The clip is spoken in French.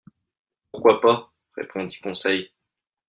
—Pourquoi pas ? répondit Conseil.